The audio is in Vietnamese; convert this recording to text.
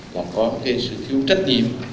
là có cái sự thiếu trách nhiệm